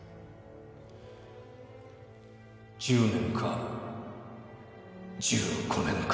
１０年か１５年か